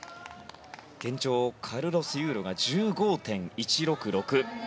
現状、カルロス・ユーロが１５．１６６。